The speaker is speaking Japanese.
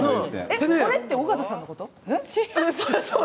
「それ」って尾形さんのこと？